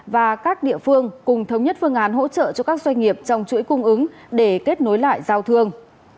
và các địa phương cùng thống nhất phương án hỗ trợ cho các doanh nghiệp trong chuỗi cung ứng để kết nối lại giao thương